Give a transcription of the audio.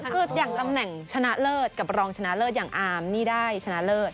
คืออย่างตำแหน่งชนะเลิศกับรองชนะเลิศอย่างอาร์มนี่ได้ชนะเลิศ